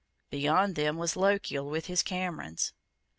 Beyond them was Lochiel with his Camerons.